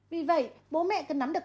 vì vậy bố mẹ cần nắm được